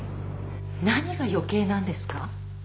何が余計なんですか？